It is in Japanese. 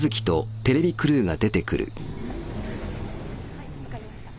はい分かりました。